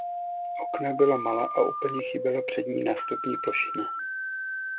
Okna byla malá a úplně chyběla přední nástupní plošina.